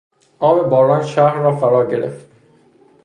آب باران شهر را فراگرفت.